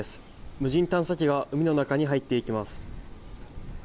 無人探査機が海の中に入っていきます。